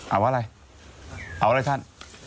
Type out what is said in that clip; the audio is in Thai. เอาอะไรเอาอะไรท่าน